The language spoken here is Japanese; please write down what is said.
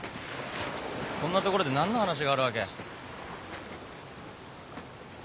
こんな所で何の話があるわけ？